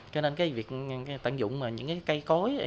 cho nên việc tận dụng những cây cối